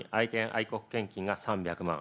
愛国献金が３００万。